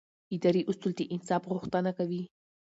اداري اصول د انصاف غوښتنه کوي.